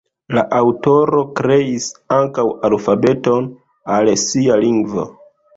La aŭtoro kreis ankaŭ alfabeton al sia "lingvo".